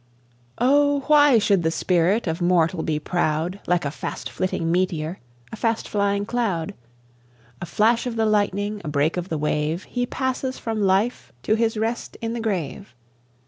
O why should the spirit of mortal be proud? Like a fast flitting meteor, a fast flying cloud, A flash of the lightning, a break of the wave, He passes from life to his rest in the grave.